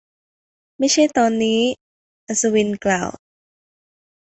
ไม่ใช่ตอนนี้ อัศวินกล่าว